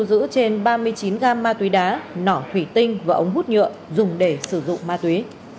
chín gam ma túy đá nỏ thủy tinh và ống hút nhựa dùng để sử dụng ma túy